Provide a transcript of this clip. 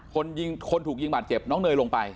คนยิงคนถูกยิงบาดเจ็บน้องเนยลงไป